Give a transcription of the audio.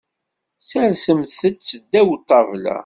Sersemt-tt ddaw ṭṭabla.